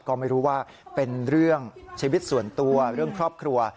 ก็ไม่รู้ว่าเป็นเรื่องชีวิตส่วนตัวเรื่องครอบครัว